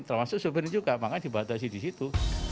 termasuk sopir juga makanya dibatasi di situ